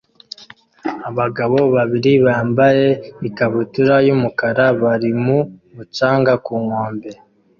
Abagabo babiri bambaye ikabutura y'umukara bari mu mucanga ku nkombe